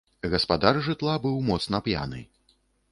Гаспадар жытла быў моцна п'яны.